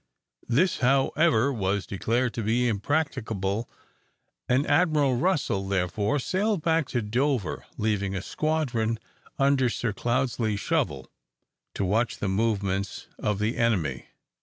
This, however, was declared to be impracticable, and Admiral Russell therefore sailed back to Dover, leaving a squadron under Sir Cloudesley Shovel, to watch the movements of the enemy.